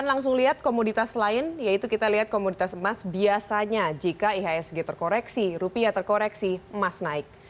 kita langsung lihat komoditas lain yaitu kita lihat komoditas emas biasanya jika ihsg terkoreksi rupiah terkoreksi emas naik